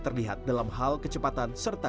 terlihat dalam hal kecepatan serta